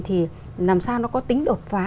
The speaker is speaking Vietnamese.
thì làm sao nó có tính đột phá